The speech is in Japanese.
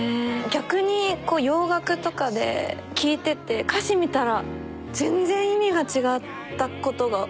逆にこう洋楽とかで聴いてて歌詞見たら全然意味が違ったことが。